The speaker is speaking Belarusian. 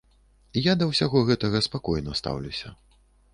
Я да ўсяго гэтага спакойна стаўлюся.